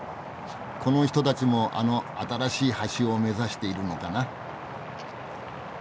この人たちもあの新しい橋を目指しているのかな。